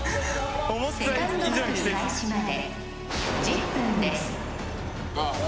セカンドバトル開始まで１０分です